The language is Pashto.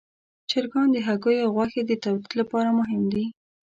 چرګان د هګیو او غوښې د تولید لپاره مهم دي.